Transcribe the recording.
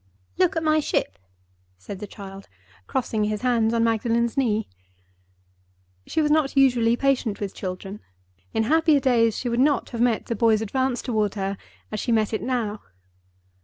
"Look at my ship," said the child, crossing his hands on Magdalen's knee. She was not usually patient with children. In happier days she would not have met the boy's advance toward her as she met it now.